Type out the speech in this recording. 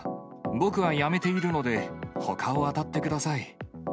僕は辞めているので、ほかを当たってください。